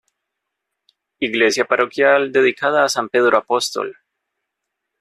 Iglesia parroquial dedicada a San Pedro Apóstol.